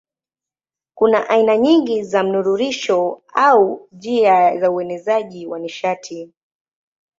Kuna aina nyingi za mnururisho au njia za uenezaji wa nishati.